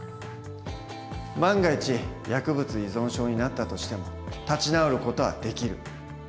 万が一薬物依存症になったとしても立ち直る事はできる。